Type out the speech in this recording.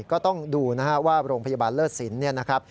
ก็ต้องดูว่าโรงพยาบาลเลิศสินทร์